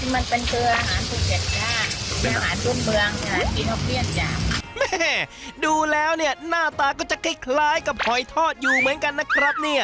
มันดูแล้วเนี่ยหน้าตาก็จะคล้ายกับหอยทอดอยู่เหมือนกันนะครับเนี่ย